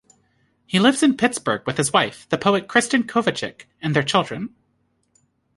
He lives in Pittsburgh with his wife, the poet Kristin Kovacic, and their children.